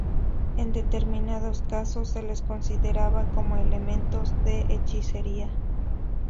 En determinados casos, se les consideraba como elementos de hechicería.